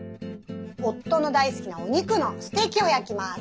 夫の大好きなお肉のステーキを焼きます。